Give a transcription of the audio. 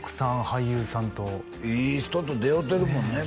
俳優さんといい人と出会うてるもんね